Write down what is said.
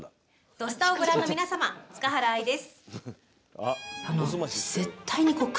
「土スタ」をご覧の皆様塚原愛です。